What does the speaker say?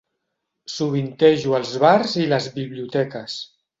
Sovintejo els bars i les biblioteques.